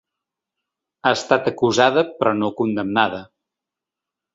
Ha estat acusada, però no condemnada.